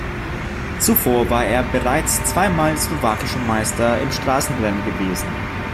Zuvor war er bereits zweimal slowakischer Meister im Straßenrennen gewesen.